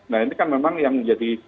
nah ini kan memang yang menjadi